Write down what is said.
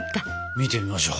見てみましょう。